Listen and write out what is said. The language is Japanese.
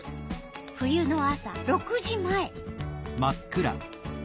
冬の朝６時前。